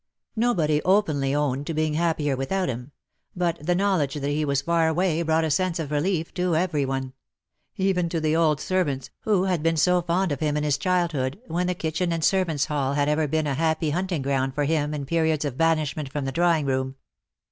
Nobody openly owned to being happier without him ; but the knowledge that he was far away brought a sense of relief to every one ; even to the old servants, who had been so fond of him in his childhood, when the kitchen and servants^ hall had ever been a happy hunting ground for him in periods of banish ment from the drawing room.